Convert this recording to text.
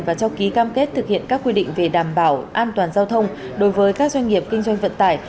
và cho ký cam kết thực hiện các quy định về đảm bảo an toàn giao thông đối với các doanh nghiệp kinh doanh vận tải